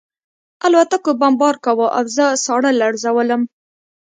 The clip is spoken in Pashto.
الوتکو بمبار کاوه او زه ساړه لړزولم